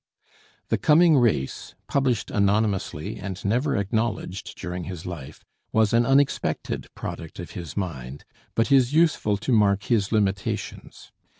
'The Coming Race,' published anonymously and never acknowledged during his life, was an unexpected product of his mind, but is useful to mark his limitations.